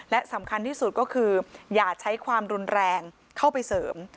และสำคัญที่สุดก็คืออย่าใช้ความรุนแรงเข้าไปเสริม